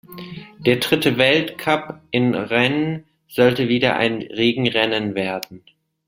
Der dritte Weltcup in Rennes sollte wieder ein Regenrennen werden.